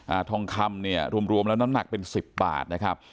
ทองคำเนี่ยรวมรวมแล้วน้ำหนักเป็นสิบบาทนะครับ